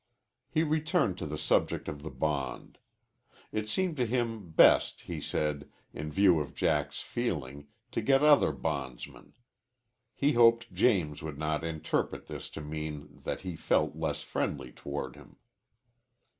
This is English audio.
He returned to the subject of the bond. It seemed to him best, he said, in view of Jack's feeling, to get other bondsmen. He hoped James would not interpret this to mean that he felt less friendly toward him.